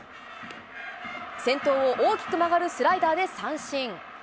先頭を大きく曲がるスライダーで三振。